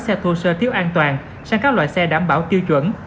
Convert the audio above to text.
xe thô sơ thiếu an toàn sang các loại xe đảm bảo tiêu chuẩn